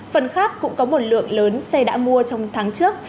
phần khác cũng có một lượng lớn xe đã mua trong tháng trước